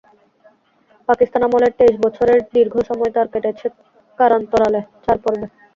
পাকিস্তান আমলের তেইশ বছরের দীর্ঘ সময় তাঁর কেটেছে কারান্তরালে, চার পর্বে।